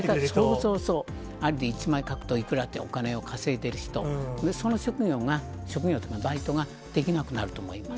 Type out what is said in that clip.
そうそうそう、あれで１枚書くといくらって、お金を稼いでる人、その職業が、職業というか、バイトができなくなると思います。